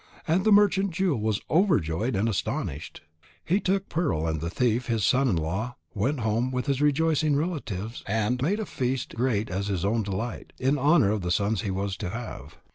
And the merchant Jewel was overjoyed and astonished. He took Pearl and the thief, his son in law, went home with his rejoicing relatives, and made a feast great as his own delight, in honour of the sons he was to have.